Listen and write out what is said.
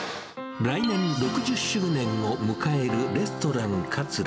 来年６０周年を迎えるレストラン桂。